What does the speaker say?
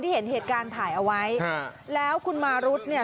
เห็นเหตุการณ์ถ่ายเอาไว้อ่าแล้วคุณมารุธเนี่ย